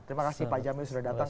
terima kasih pak jamil sudah datang